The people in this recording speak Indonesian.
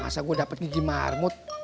masa gue dapet gigi marmut